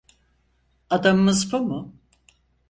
Adamımız bu mu?